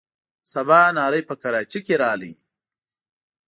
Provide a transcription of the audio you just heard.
سباناری په کراچۍ کې راغی.